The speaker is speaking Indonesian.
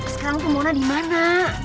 sekarang kemona dimana